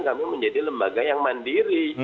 kami menjadi lembaga yang mandiri